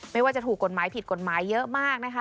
ไม่ว่าจะถูกกฎหมายผิดกฎหมายเยอะมากนะคะ